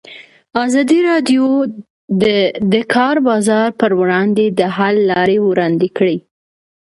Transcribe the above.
ازادي راډیو د د کار بازار پر وړاندې د حل لارې وړاندې کړي.